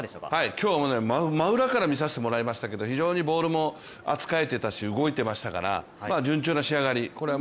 今日はもう真裏から見させてもらいましたけど非常にボールも扱えていたし動いていましたから順調な仕上がり、これは